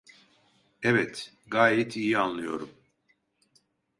Evet, gayet iyi anlıyorum.